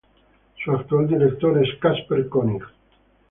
Su actual director es Kasper König.